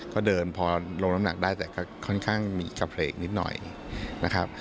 ก็เดินพอลงน้ำหนักได้แต่ก็ค่อนข้างมีกระเพลกนิดหน่อยนะครับ